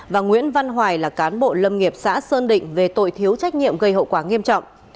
và nguyễn văn hoài là cán bộ lâm nghiệp xã sơn định về tội thiếu trách nhiệm gây hậu quả nghiêm trọng